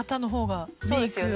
そうですよね。